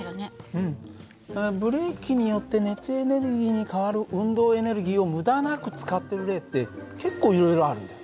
ブレーキによって熱エネルギーに変わる運動エネルギーを無駄なく使ってる例って結構いろいろあるんだよ。